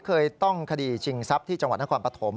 เคยต้องคดีชิงทรัพย์ที่จังหวัดนครปฐม